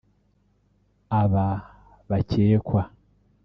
Aba bakekwa